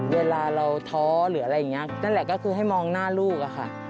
เวลาเราท้อหรืออะไรอย่างนี้นั่นแหละก็คือให้มองหน้าลูกอะค่ะ